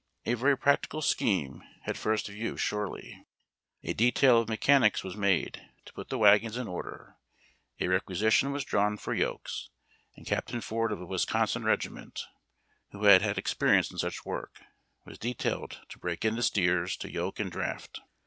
A very practical scheme, at first view, surely. A detail of mechanics was made to 370 HARD TACK AND COFFEE. put tlie wagons in order, a requisition was drawn for yokes, and Captain Ford of a Wisconsin regiment, who had had experience in such work, was detailed to break in the steers to yoke and draft.